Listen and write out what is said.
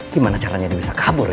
gimana caranya dia bisa kabur